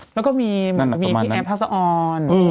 แล้วก็มีพี่แอฟท่าสะออน